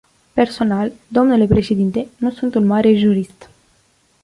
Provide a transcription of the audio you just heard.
Personal, domnule președinte, nu sunt un mare jurist.